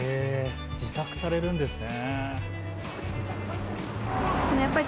自作されるんですね。